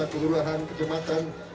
terus ini rakan agama di s tiga